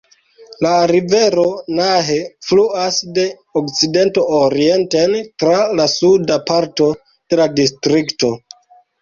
La rivero Nahe fluas de okcidento orienten tra la suda parto de la distrikto.